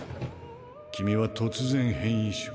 君は突然変異種。